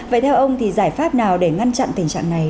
vậy theo ông thì giải pháp nào để ngăn chặn tình trạng này